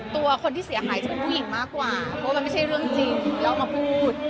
ตัวคนที่เสียหายจะเป็นผู้หญิงมากกว่าเพราะมันไม่ใช่เรื่องจริงแล้วมาพูด